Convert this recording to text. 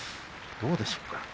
どうでしょうか。